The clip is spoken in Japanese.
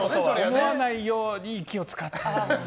思わないように気を使って。